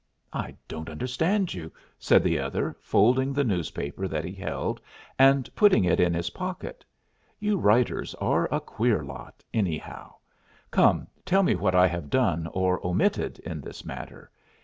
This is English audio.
"I don't understand you," said the other, folding the newspaper that he held and putting it into his pocket. "You writers are a queer lot, anyhow. Come, tell me what I have done or omitted in this matter.